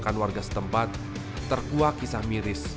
saya menemukan warga setempat terkuak kisah miris